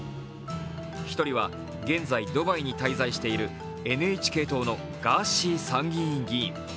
１人は現在ドバイに滞在しているＮＨＫ党のガーシー参議院議員。